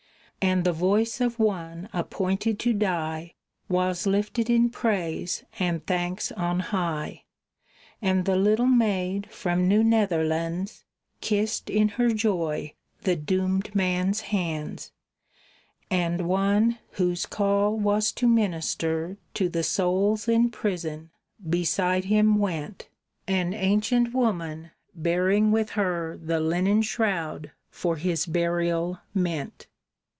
And the voice of one appointed to die Was lifted in praise and thanks on high, And the little maid from New Netherlands Kissed, in her joy, the doomed man's hands And one, whose call was to minister To the souls in prison, beside him went, An ancient woman, bearing with her The linen shroud for his burial meant.